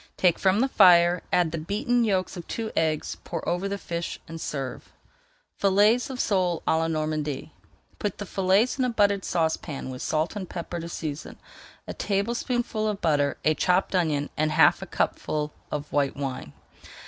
Take from the fire, add the beaten yolks of two eggs, pour over the fish, and serve. FILLETS OF SOLE À LA NORMANDY Put the fillets in a buttered saucepan with salt and pepper to season, a tablespoonful of butter, a chopped onion, and half a cupful of white wine.